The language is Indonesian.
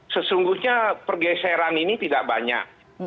sesungguhnya pergeseran ini tidak banyak